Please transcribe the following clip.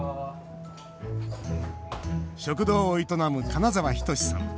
食堂を営む金澤等さん。